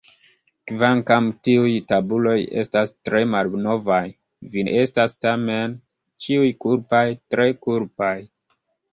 Kvankam tiuj tabuloj estas tre malnovaj, vi estas tamen ĉiuj kulpaj, tre kulpaj.